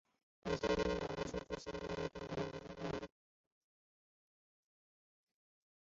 以下的列表列出北朝元魏所有的藩王。